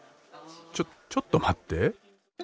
ちょちょっと待って。